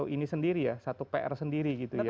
ini sendiri ya satu pr sendiri gitu ya